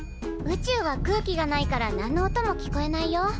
宇宙は空気がないから何の音も聞こえないよ。